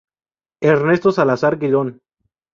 Ernesto Salazar Girón.